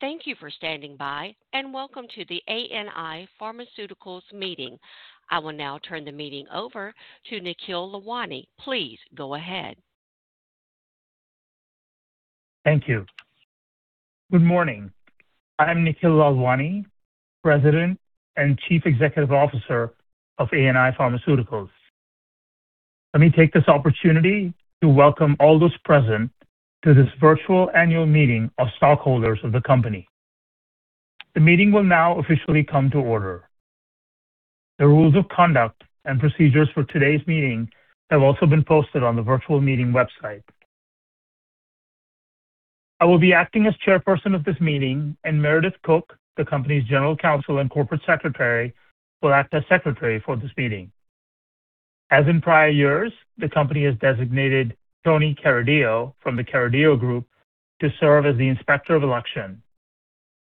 Thank you for standing by, and welcome to the ANI Pharmaceuticals meeting. I will now turn the meeting over to Nikhil Lalwani. Please go ahead. Thank you. Good morning. I'm Nikhil Lalwani, President and Chief Executive Officer of ANI Pharmaceuticals. Let me take this opportunity to welcome all those present to this virtual annual meeting of stockholders of the company. The meeting will now officially come to order. The rules of conduct and procedures for today's meeting have also been posted on the virtual meeting website. I will be acting as Chairperson of this meeting, and Meredith Cook, the company's General Counsel and Corporate Secretary, will act as Secretary for this meeting. As in prior years, the company has designated Tony Carideo from the Carideo Group to serve as the Inspector of Election.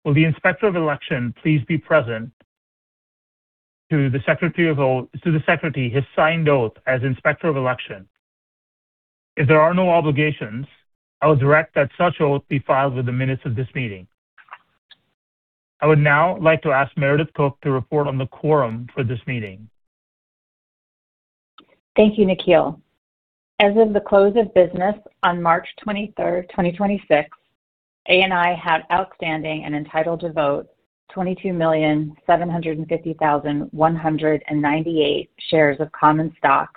Will the Inspector of Election please be present to the Secretary his signed oath as Inspector of Election? If there are no objections, I will direct that such oath be filed with the minutes of this meeting. I would now like to ask Meredith Cook to report on the quorum for this meeting. Thank you, Nikhil. As of the close of business on March 23rd, 2026, ANI had outstanding and entitled to vote 22,750,198 shares of common stock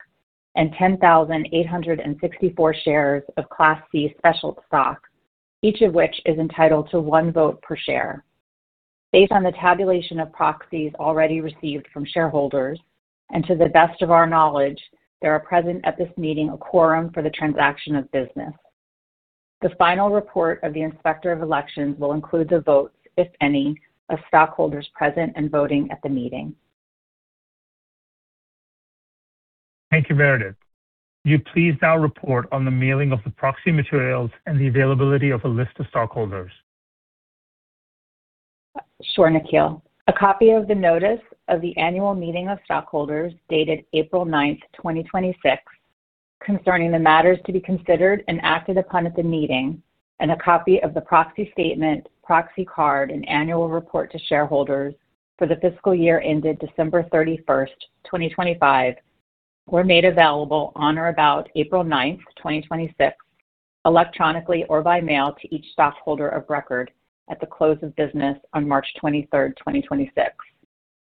and 10,864 shares of Class C special stock, each of which is entitled to one vote per share. Based on the tabulation of proxies already received from shareholders and to the best of our knowledge, there are present at this meeting a quorum for the transaction of business. The final report of the Inspector of Election will include the votes, if any, of stockholders present and voting at the meeting. Thank you, Meredith. Would you please now report on the mailing of the proxy materials and the availability of a list of stockholders? Sure, Nikhil. A copy of the notice of the annual meeting of stockholders dated April 9th, 2026, concerning the matters to be considered and acted upon at the meeting, and a copy of the proxy statement, proxy card, and annual report to shareholders for the fiscal year ended December 31st, 2025, were made available on or about April 9th, 2026, electronically or by mail to each stockholder of record at the close of business on March 23rd, 2026,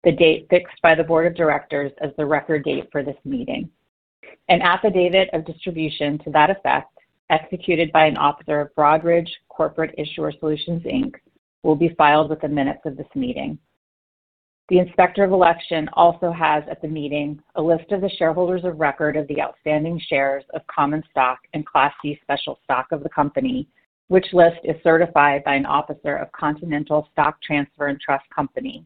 the date fixed by the Board of Directors as the record date for this meeting. An affidavit of distribution to that effect, executed by an officer of Broadridge Corporate Issuer Solutions, Inc. will be filed with the minutes of this meeting. The Inspector of Election also has at the meeting a list of the shareholders of record of the outstanding shares of common stock and Class C special stock of the company, which list is certified by an officer of Continental Stock Transfer & Trust Company,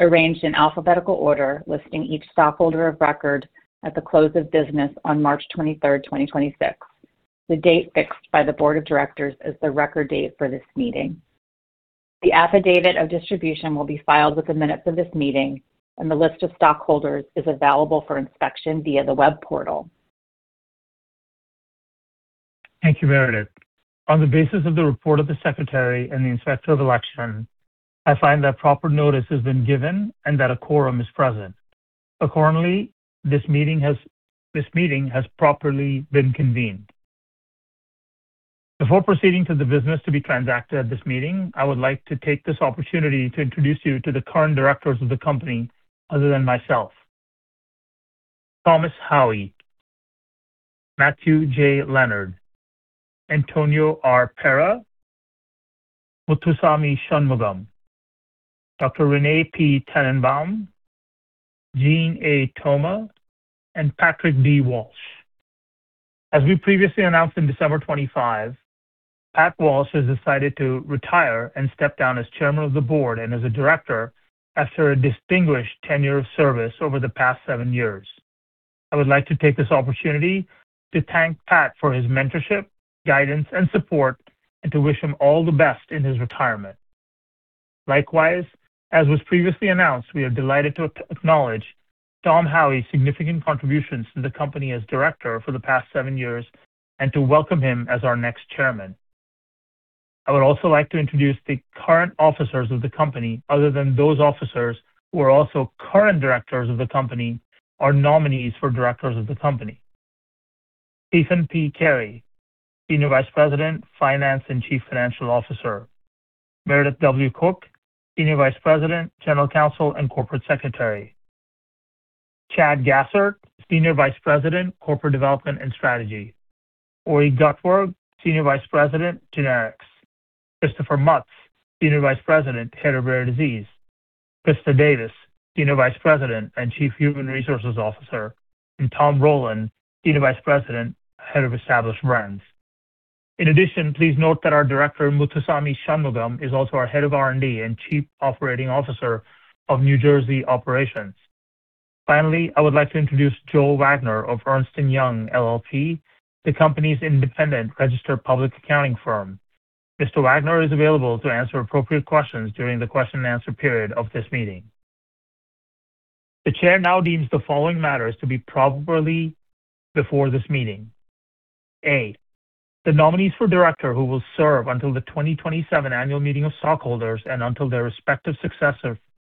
arranged in alphabetical order, listing each stockholder of record at the close of business on March 23rd, 2026, the date fixed by the Board of Directors as the record date for this meeting. The affidavit of distribution will be filed with the minutes of this meeting, and the list of stockholders is available for inspection via the web portal. Thank you, Meredith. On the basis of the report of the Secretary and the Inspector of Election, I find that proper notice has been given and that a quorum is present. Accordingly, this meeting has properly been convened. Before proceeding to the business to be transacted at this meeting, I would like to take this opportunity to introduce you to the current directors of the company other than myself. Thomas Haughey, Matthew Leonard, Antonio R. Pera, Muthuswamy Shanmugam, Dr. Renee P. Tannenbaum, Jeanne A. Thoma, and Patrick D. Walsh. As we previously announced in December 2025, Pat Walsh has decided to retire and step down as Chairman of the Board and as a Director after a distinguished tenure of service over the past seven years. I would like to take this opportunity to thank Pat for his mentorship, guidance, and support, and to wish him all the best in his retirement. Likewise, as was previously announced, we are delighted to acknowledge Tom Haughey's significant contributions to the company as Director for the past seven years and to welcome him as our next Chairman. I would also like to introduce the current officers of the company other than those officers who are also current directors of the company or nominees for directors of the company. Stephen P. Carey, Senior Vice President, Finance and Chief Financial Officer. Meredith W. Cook, Senior Vice President, General Counsel, and Corporate Secretary. Chad Gassert, Senior Vice President, Corporate Development and Strategy. Ori Gutwirth, Senior Vice President, Generics. Christopher Mutz, Senior Vice President, Head of Rare Disease. Krista Davis, Senior Vice President and Chief Human Resources Officer, and Thomas Rowland, Senior Vice President, Head of Established Brands. In addition, please note that our Director, Muthuswamy Shanmugam, is also our Head of R&D and Chief Operating Officer of New Jersey Operations. Finally, I would like to introduce Joe Wagner of Ernst & Young LLP, the company's independent registered public accounting firm. Mr. Wagner is available to answer appropriate questions during the question and answer period of this meeting. The Chair now deems the following matters to be properly before this meeting. A, the nominees for Director who will serve until the 2027 annual meeting of stockholders and until their respective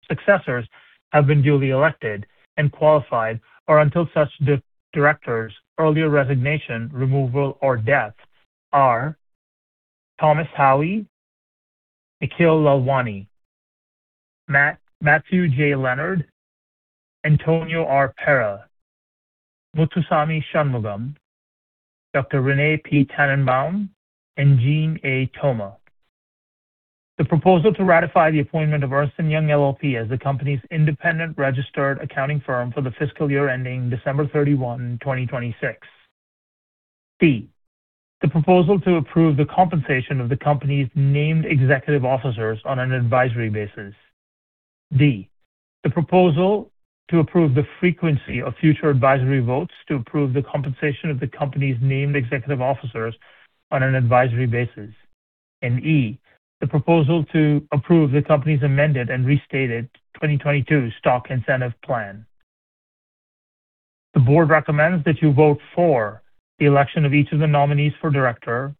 successors have been duly elected and qualified, or until such Directors' earlier resignation, removal, or death are Thomas Haughey, Nikhil Lalwani, Matthew J. Leonard, Antonio R. Pera, Muthuswamy Shanmugam, Renee P. Tannenbaum, and Jeanne A. Thoma. The proposal to ratify the appointment of Ernst & Young LLP as the company's independent registered accounting firm for the fiscal year ending December 31, 2026. B, the proposal to approve the compensation of the company's named executive officers on an advisory basis. D, the proposal to approve the frequency of future advisory votes to approve the compensation of the company's named executive officers on an advisory basis. E, the proposal to approve the company's Amended and Restated 2022 Stock Incentive Plan. The board recommends that you vote for the election of each of the nominees for Director,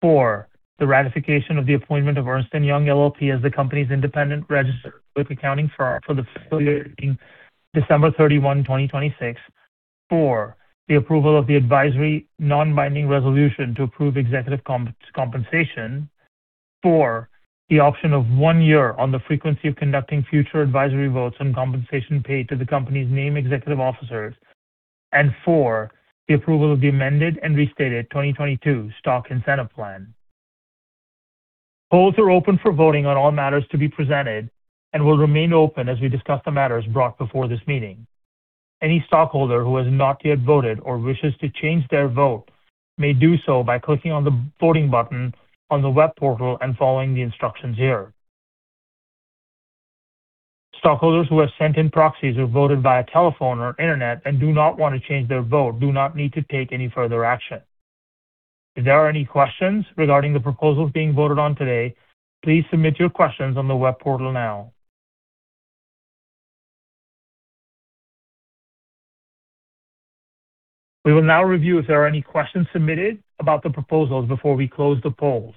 for the ratification of the appointment of Ernst & Young LLP as the company's independent registered public accounting firm for the fiscal year ending December 31, 2026, for the approval of the advisory non-binding resolution to approve executive compensation, for the option of one year on the frequency of conducting future advisory votes on compensation paid to the company's named executive officers, and for the approval of the Amended and Restated 2022 Stock Incentive Plan. Polls are open for voting on all matters to be presented and will remain open as we discuss the matters brought before this meeting. Any stockholder who has not yet voted or wishes to change their vote may do so by clicking on the voting button on the web portal and following the instructions there. Stockholders who have sent in proxies or voted via telephone or internet and do not want to change their vote do not need to take any further action. If there are any questions regarding the proposals being voted on today, please submit your questions on the web portal now. We will now review if there are any questions submitted about the proposals before we close the polls.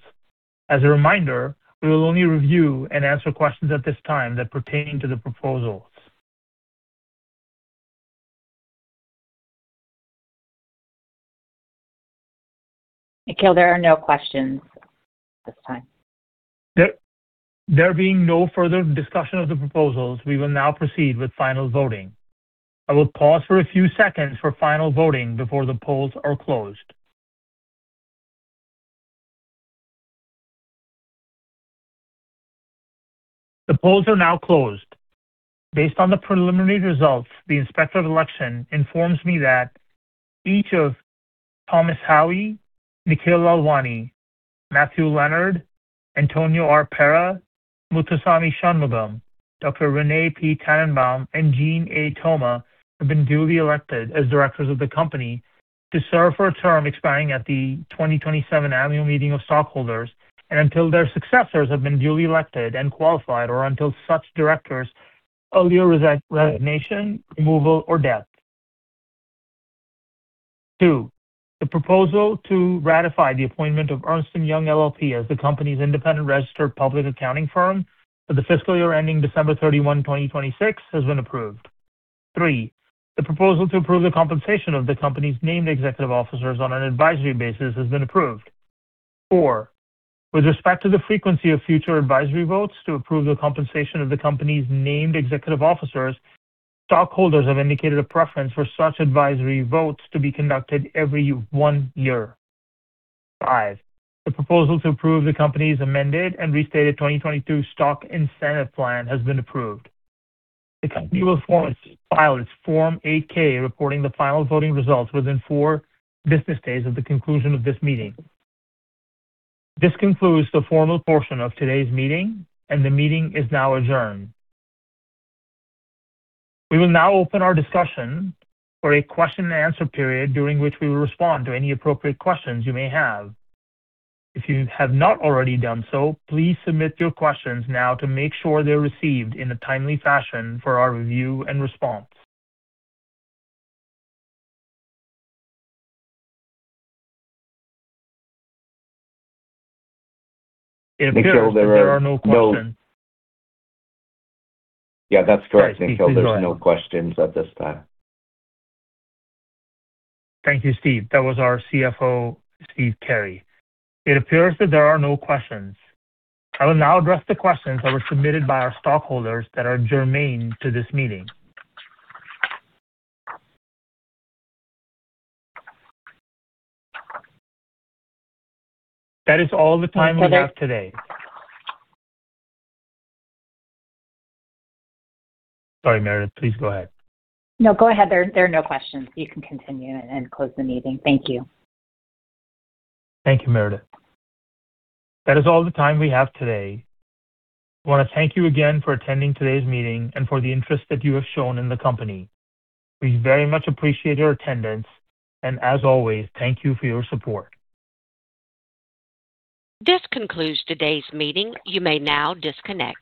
As a reminder, we will only review and answer questions at this time that pertain to the proposals. Nikhil, there are no questions at this time. There being no further discussion of the proposals, we will now proceed with final voting. I will pause for a few seconds for final voting before the polls are closed. The polls are now closed. Based on the preliminary results, the Inspector of Election informs me that each of Thomas Haughey, Nikhil Lalwani, Matthew Leonard, Antonio R. Pera, Muthuswamy Shanmugam, Renee P. Tannenbaum, and Jeanne A. Thoma have been duly elected as Directors of the company to serve for a term expiring at the 2027 annual meeting of stockholders, and until their successors have been duly elected and qualified, or until such director's earlier resignation, removal, or death. Two, the proposal to ratify the appointment of Ernst & Young LLP as the company's independent registered public accounting firm for the fiscal year ending December 31, 2026, has been approved. Three, the proposal to approve the compensation of the company's named executive officers on an advisory basis has been approved. Four, with respect to the frequency of future advisory votes to approve the compensation of the company's named executive officers, stockholders have indicated a preference for such advisory votes to be conducted every 1 year. Five, the proposal to approve the company's Amended and Restated 2022 Stock Incentive Plan has been approved. The company will file its Form 8-K reporting the final voting results within four business days of the conclusion of this meeting. This concludes the formal portion of today's meeting, and the meeting is now adjourned. We will now open our discussion for a question and answer period during which we will respond to any appropriate questions you may have. If you have not already done so, please submit your questions now to make sure they're received in a timely fashion for our review and response. It appears that there are no questions. Yeah, that's correct, Nikhil. There are no questions at this time. Thank you, Steve. That was our CFO, Steve Carey. It appears that there are no questions. I will now address the questions that were submitted by our stockholders that are germane to this meeting. That is all the time we have today. Sorry, Meredith. Please go ahead. No, go ahead. There are no questions. You can continue and close the meeting. Thank you. Thank you, Meredith. That is all the time we have today. I want to thank you again for attending today's meeting and for the interest that you have shown in the company. We very much appreciate your attendance, and as always, thank you for your support. This concludes today's meeting. You may now disconnect.